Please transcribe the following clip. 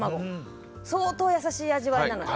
相当優しい味わいなので。